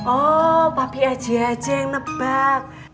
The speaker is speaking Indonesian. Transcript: oh papi aja aja yang nebak